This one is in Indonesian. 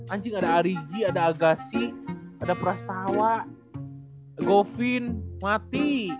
anjing ada ariji ada agassi ada prastawa govin mati